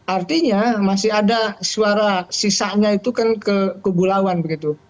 artinya masih ada suara sisanya itu kan kegulauan begitu